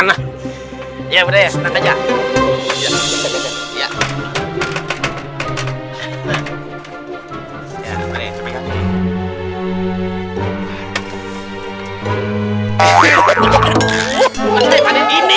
ya budaya senang aja